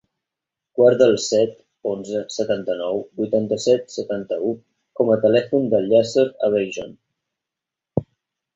Guarda el set, onze, setanta-nou, vuitanta-set, setanta-u com a telèfon del Yasser Abeijon.